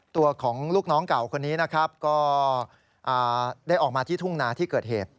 ตัวของลูกน้องเก่าคนนี้นะครับก็ได้ออกมาที่ทุ่งนาที่เกิดเหตุ